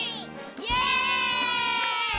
イエイ！